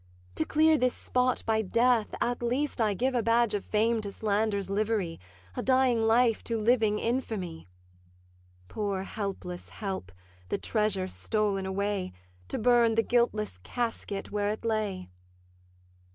To clear this spot by death, at least I give A badge of fame to slander's livery; A dying life to living infamy: Poor helpless help, the treasure stol'n away, To burn the guiltless casket where it lay!